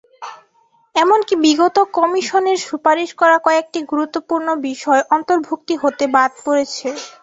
এমনকি বিগত কমিশনের সুপারিশ করা কয়েকটি গুরুত্বপূর্ণ বিষয় অন্তর্ভুক্তি হতে বাদ পড়েছে।